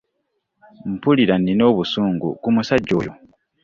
Mpulira nina obusungu ku musajja oyo.